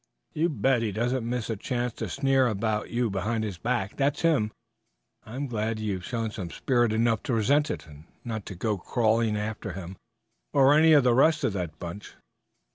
You bet he doesn't miss a chance to sneer about you behind your back; that's him. I'm glad you've shown spirit enough to resent it, and not to go crawling around after him or any of the rest of that bunch."